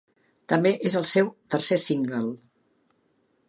També és el seu tercer single.